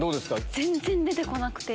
全然出て来なくて。